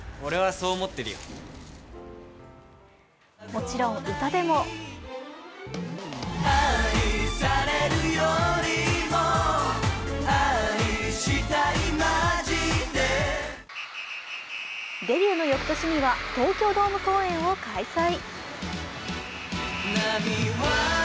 もちろん歌でもデビューの翌年には東京ドーム公演を開催。